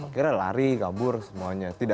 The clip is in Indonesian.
akhirnya lari kabur semuanya